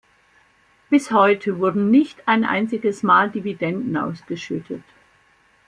Bis heute wurden nicht ein einziges Mal Dividenden ausgeschüttet.